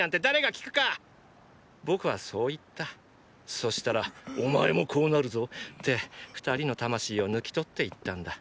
そしたら「お前もこうなるぞ」って二人の魂を抜き取って行ったんだ。